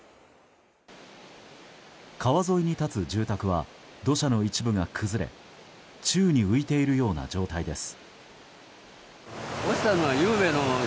川沿いに立つ住宅は土台の一部が崩れ宙に浮いているような状態です。